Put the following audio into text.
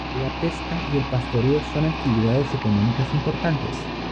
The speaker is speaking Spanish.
La pesca y el pastoreo son actividades económicas importantes.